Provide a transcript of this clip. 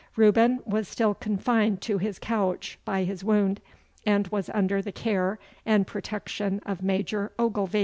Reuben was still confined to his couch by his wound, and was under the care and protection of Major Ogilvy.